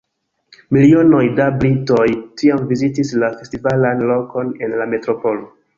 Milionoj da britoj tiam vizitis la festivalan lokon en la metropolo.